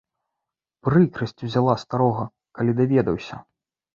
Прыкрасць узяла старога, калі даведаўся.